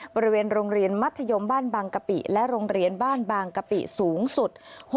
บริเวณโรงเรียนมัธยมบ้านบางกะปิและโรงเรียนบ้านบางกะปิสูงสุด